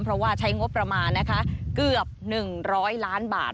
เพราะว่าใช้งบประมาณนะคะเกือบ๑๐๐ล้านบาท